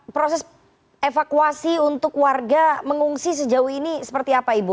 proses evakuasi untuk warga mengungsi sejauh ini seperti apa ibu